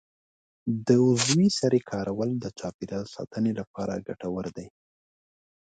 د عضوي سرې کارول د چاپیریال ساتنې لپاره ګټور دي.